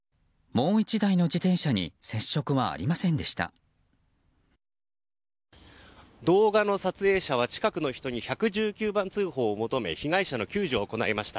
もう１台の自転車に接触はありませんでした。